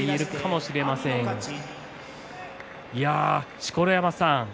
錣山さん